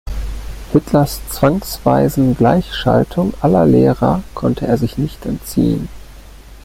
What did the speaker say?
Hitlers zwangsweisen Gleichschaltung aller Lehrer konnte er sich nicht entziehen.